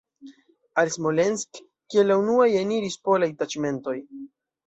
Al Smolensk kiel la unuaj eniris polaj taĉmentoj.